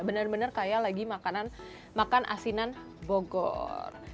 benar benar kaya lagi makan asinan bogor